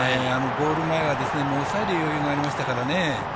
ゴール前は抑える余裕がありましたからね。